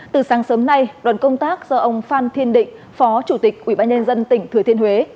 từ sáng sớm nay đoàn công tác do ông phan thiên định phó chủ tịch ubnd tỉnh thừa thiên huế